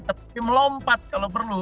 tapi melompat kalau perlu